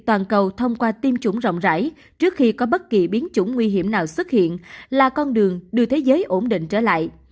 toàn cầu thông qua tiêm chủng rộng rãi trước khi có bất kỳ biến chủng nguy hiểm nào xuất hiện là con đường đưa thế giới ổn định trở lại